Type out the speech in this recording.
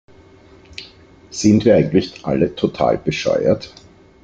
Sind wir eigentlich alle total bescheuert?